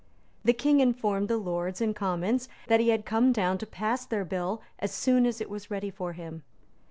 The King informed the Lords and Commons that he had come down to pass their bill as soon as it was ready for him.